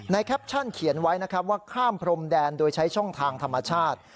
แคปชั่นเขียนไว้นะครับว่าข้ามพรมแดนโดยใช้ช่องทางธรรมชาติ